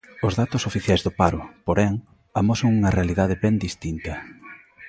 Os datos oficiais do paro, porén, amosan unha realidade ben distinta.